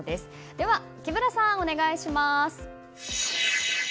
では木村さん、お願いします！